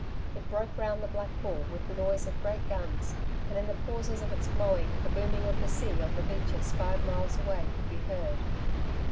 It broke round the Black Bull with the noise of great guns, and in the pauses of its blowing the booming of the sea on the beaches five miles away could be heard.